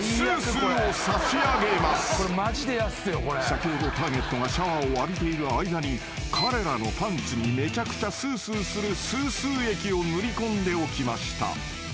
［先ほどターゲットがシャワーを浴びている間に彼らのパンツにめちゃくちゃスースーするスースー液を塗り込んでおきました］